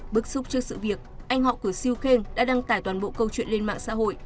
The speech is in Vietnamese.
bức xúc trước sự việc anh họ của siêu khêng đã đăng tải toàn bộ câu chuyện lên mạng xã hội